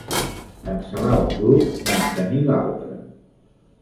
Cancel·lar un grup, mantenir l'altre.